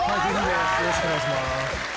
よろしくお願いします。